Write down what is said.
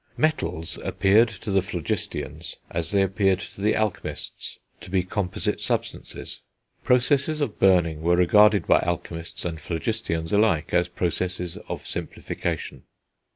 Metals appeared to the phlogisteans, as they appeared to the alchemists, to be composite substances. Processes of burning were regarded by alchemists and phlogisteans alike, as processes of simplification.